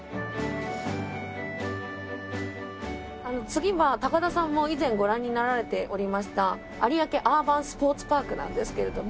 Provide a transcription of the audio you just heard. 次は高田さんも以前ご覧になられておりました有明アーバンスポーツパークなんですけれども。